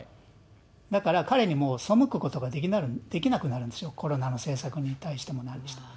だから彼にもう背くことができなくなるんですよ、コロナの政策に対しても、何にしても。